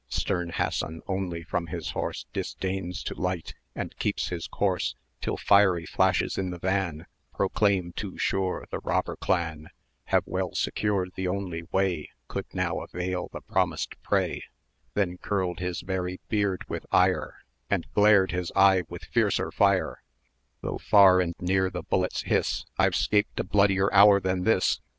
Stern Hassan only from his horse Disdains to light, and keeps his course, Till fiery flashes in the van Proclaim too sure the robber clan 590 Have well secured the only way Could now avail the promised prey; Then curled his very beard with ire, And glared his eye with fiercer fire; "Though far and near the bullets hiss, I've scaped a bloodier hour than this."